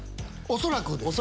恐らくですけど。